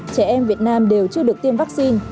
trẻ em việt nam đều chưa được tiêm vaccine